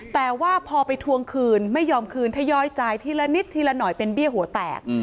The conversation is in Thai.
แต่ว่าพอไปทวงคืนไม่ยอมคืนทยอยจ่ายทีละนิดทีละหน่อยเป็นเบี้ยหัวแตก